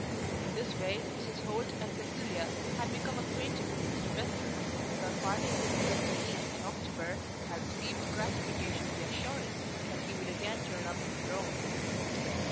In this way Mrs. Holt and Cecilia had become acquainted with Mr. Western, and on parting with him at Venice in October had received with gratification the assurance that he would again "turn up" in Rome.